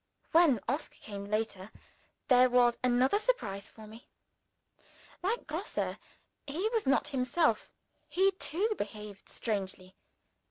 When Oscar came later, there was another surprise for me. Like Grosse, he was not himself he too behaved strangely!